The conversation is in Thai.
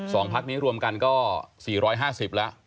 สองพักนี้รวมกันก็๔๕๐ละ